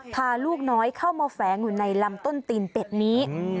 พาลูกน้อยเข้ามาแฝงอยู่ในลำต้นตีนเป็ดนี้